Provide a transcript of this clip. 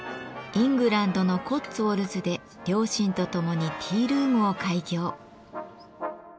イングランドのコッツウォルズで両親と共にティールームを開業。